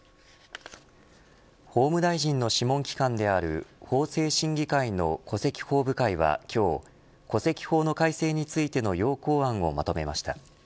法務大臣の諮問機関である法制審議会の戸籍法部会は今日戸籍法の改正についての要綱案をまとめました。